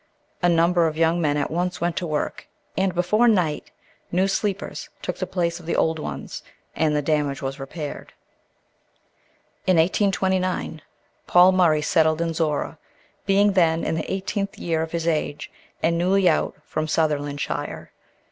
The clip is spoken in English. A number of the young men at once went to work, and before night new "sleepers" took the place of the old ones, and the damage was repaired. In 1829 Paul Murray settled in Zorra, being then in the eighteenth year of his age, and newly out from Sutherlandshire.